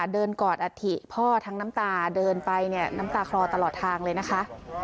เดินกอดอัตถิพ่อทั้งน้ำตาเดินไปน้ำตาคลอตลอดทางเลยนะคะ